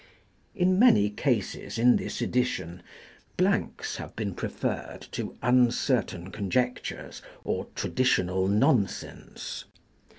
In many cases in this edition, blanks have been pre ferred to uncertain conjectures or traditional nonsense.